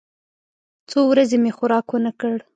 څو ورځې مې خوراک ونه کړ.